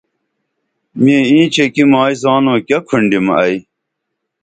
میں اینچہ کی مائی زانو کیہ کُھنڈیم ائی